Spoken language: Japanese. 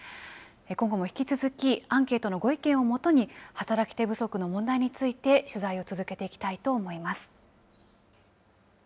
今後も引き続き、アンケートのご意見をもとに、働き手不足の問題について取材を続けていきたいと思います。